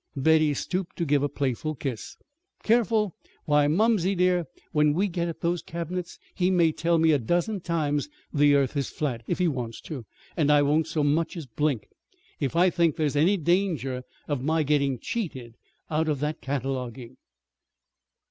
Betty stooped to give a playful kiss. "Careful? Why, mumsey, dear, when we get at those cabinets he may tell me a dozen times the earth is flat, if he wants to, and I won't so much as blink if I think there's any danger of my getting cheated out of that cataloguing!"